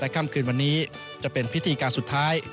ค่ำคืนวันนี้จะเป็นพิธีการสุดท้าย